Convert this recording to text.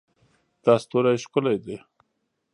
دا ستوری ښکلی ده